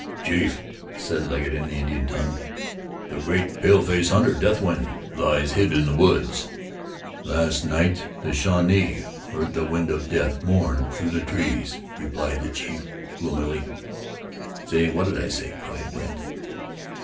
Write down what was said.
"Chief," said Legget in the Indian tongue. "The great paleface hunter, Deathwind, lies hid in the woods." "Last night the Shawnee heard the wind of death mourn through the trees," replied the chief gloomily. "See! What did I say?" cried Brandt.